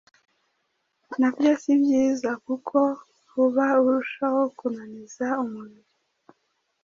nabyo si byiza kuko uba urushaho kunaniza umubiri